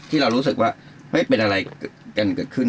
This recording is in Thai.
ที่เรารู้สึกว่าเป็นอะไรกันเกิดขึ้น